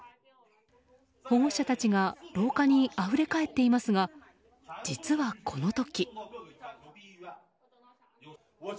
保護者たちが廊下にあふれ返っていますが実は、この時。